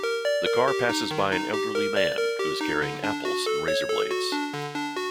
The car passes by an elderly man who is carrying apples and razor blades.